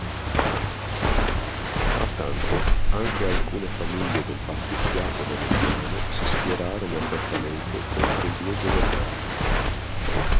Frattanto, anche alcune famiglie del patriziato veneziano si schierarono apertamente contro i due governanti.